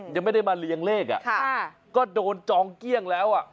ยังไม่ได้มาเรียงเลขก็โดนจองเกี้ยงแล้วอ่ะ